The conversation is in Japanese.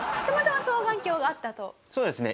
そうですね。